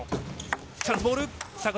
チャンスボール。